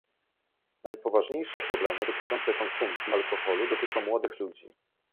Najpoważniejsze problemy dotyczące konsumpcji alkoholu dotyczą młodych ludzi